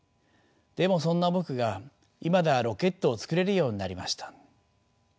でもそんな僕が今ではロケットを作れるようになりました。